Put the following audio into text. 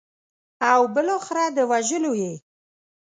او بالاخره د وژلو یې.